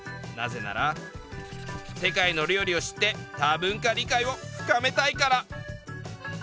「なぜなら世界の料理を知って多文化理解を深めたいから」。